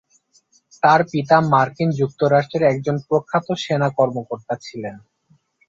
তার পিতা মার্কিন যুক্তরাষ্ট্রের একজন প্রখ্যাত সেনা কর্মকর্তা ছিলেন।